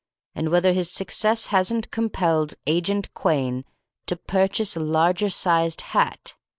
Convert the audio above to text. And Whether his success hasn't compelled Agent Quhayne to purchase a larger sized hat?